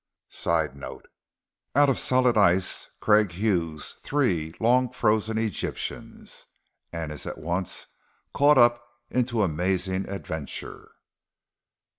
] [Sidenote: Out of solid ice Craig hews three long frozen Egyptians and is at once caught up into amazing adventure.